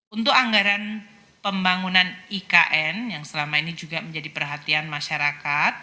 untuk anggaran pembangunan ikn yang selama ini juga menjadi perhatian masyarakat